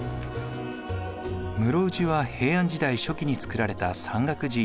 室生寺は平安時代初期につくられた山岳寺院。